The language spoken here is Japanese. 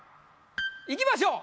いきましょう。